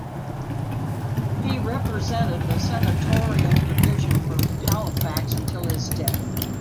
He represented the senatorial division for Halifax until his death.